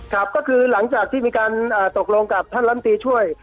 ครับก็คือหลังจากที่มีการตกลงกับท่านลำตีช่วย